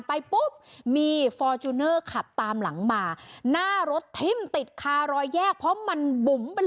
ไปปุ๊บมีฟอร์จูเนอร์ขับตามหลังมาหน้ารถทิ้มติดคารอยแยกเพราะมันบุ๋มเป็น